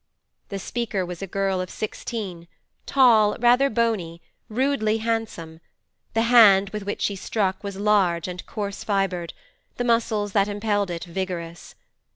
The speaker was a girl of sixteen, tall, rather bony, rudely handsome; the hand with which she struck was large and coarse fibred, the muscles that impelled it vigorous.